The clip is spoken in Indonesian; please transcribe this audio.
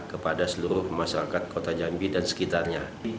kepada seluruh masyarakat kota jambi dan sekitarnya